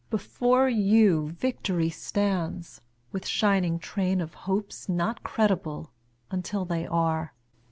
Before you victory stands, with shining train Of hopes not credible until they are.